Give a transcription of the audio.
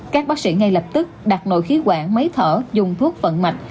các bác sĩ ngay lập tức đặt nội khí quản máy thở dùng thuốc vận mạch